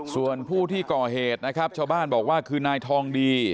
ส่วนผู้ที่ก่อเหตุนะครับชาวบ้านบอกว่าคือนายทองดี